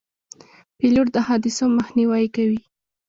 پیلوټ د حادثو مخنیوی کوي.